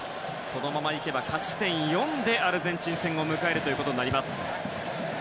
このままいけば勝ち点４でアルゼンチン戦を迎えることになります。